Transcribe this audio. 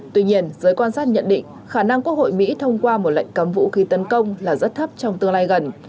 tuy nhiên giới quan sát nhận định khả năng quốc hội mỹ thông qua một lệnh cấm vũ khí tấn công là rất thấp trong tương lai gần